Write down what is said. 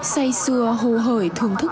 xây xưa hồ hởi thưởng thức